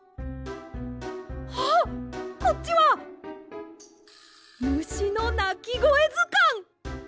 あっこっちは「むしのなきごえずかん」！